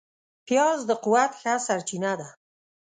پیاز د قوت ښه سرچینه ده